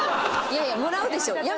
いやいやもらうでしょ。